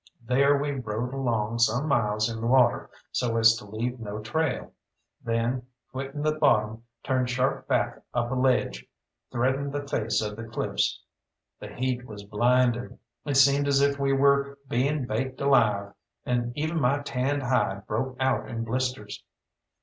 There we rode along some miles in the water, so as to leave no trail; then, quitting the bottom, turned sharp back up a ledge, threading the face of the cliffs. The heat was blinding; it seemed as if we were being baked alive, and even my tanned hide broke out in blisters.